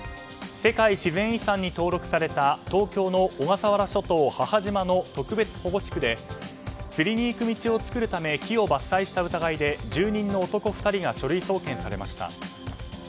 世界自然遺産に登録された東京の小笠原諸島母島の特別保護地区で釣りに行く道を作るため木を伐採した疑いで住人の男２人が書類送検されました。